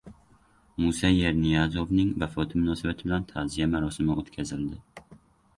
Musa Yerniyazovning vafoti munosabati bilan ta’ziya marosimi o‘tkazildi